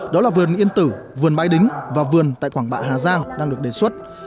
đó là vườn yên tử vườn bái đính và vườn tại quảng bạ hà giang đang được đề xuất